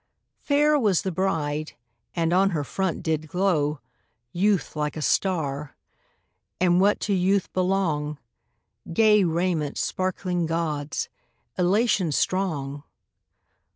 Fair was the bride, and on her front did glow Youth like a star; and what to youth belong, Gay raiment sparkling gauds, elation strong.